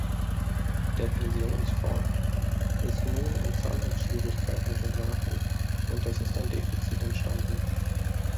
Der Pensionsfonds ist nun in Zahlungsschwierigkeiten geraten und es ist ein Defizit entstanden.